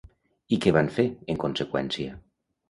I què van fer, en conseqüència?